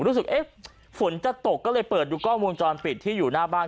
รู้สึกเอ๊ะฝนจะตกก็เลยเปิดดูกล้องวงจรปิดที่อยู่หน้าบ้าน